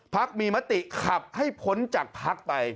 พักมีมติขับให้พ้นจากพักไป